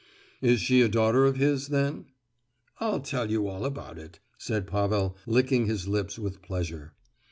"Is she a daughter of his, then?" "I'll tell you all about it," said Pavel, licking his lips with pleasure.